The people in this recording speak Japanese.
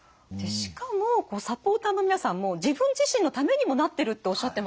しかもサポーターの皆さんも自分自身のためにもなってるっておっしゃってますよね。